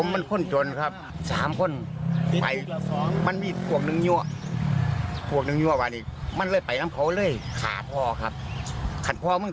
มันคนชนครับ๓มีแค่พวกหนึ่งเงี้ยพวกหนึ่งเงี้ยมาพวกมากันนิดนึง